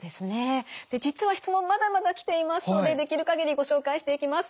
実は質問まだまだ来ていますのでできる限りご紹介していきます。